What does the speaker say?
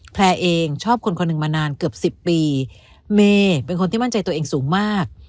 เองชอบคนคนหนึ่งมานานเกือบสิบปีเมย์เป็นคนที่มั่นใจตัวเองสูงมาก